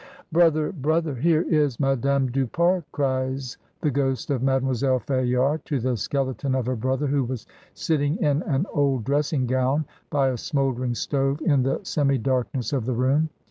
"Brother! brother! here is Madame du Pare," cries the ghost of Mademoiselle Fayard to the skele ton of her brother, who was sitting in an old dressing gown by a smouldering stove in the semi darkness of the room.